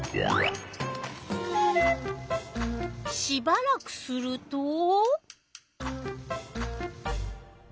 しばらくすると。